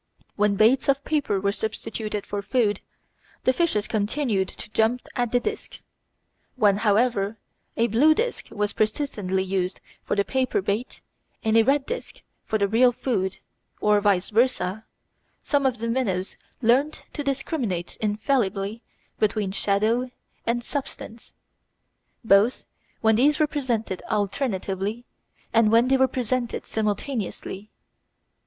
When baits of paper were substituted for the food, the fishes continued to jump at the discs. When, however, a blue disc was persistently used for the paper bait and a red disc for the real food, or vice versa, some of the minnows learned to discriminate infallibly between shadow and substance, both when these were presented alternately and when they were presented simultaneously.